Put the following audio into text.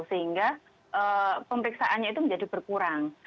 sehingga pemeriksaannya itu menjadi berkurang